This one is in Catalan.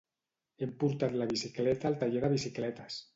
hem portat la bicicleta al taller de bicicletes